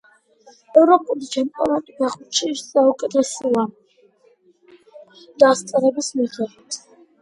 ეროვნული ჩემპიონატი ფეხბურთში საუკეთესოა საშუალო დასწრების მიხედვით.